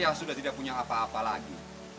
yang sudah tidak punya apa apa lagi